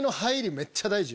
めっちゃ大事よ。